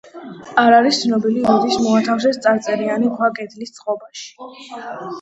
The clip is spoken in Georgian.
არ არის ცნობილი, თუ როდის მოათავსეს წარწერიანი ქვა კედლის წყობაში.